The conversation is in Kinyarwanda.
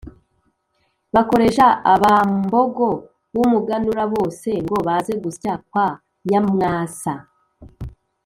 bakoresha abambogo b’umuganura bose ngo baze gusya kwa nyamwasa.